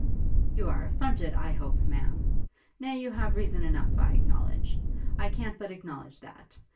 'You are affronted, I hope, Ma'am? Nay, you have reason enough, I acknowledge; I can't but acknowledge that!